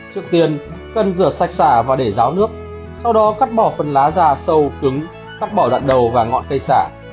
trước tiên cần rửa sạch xả và để ráo nước sau đó cắt bỏ phần lá già sâu cứng cắt bỏ đoạn đầu và ngọn cây xả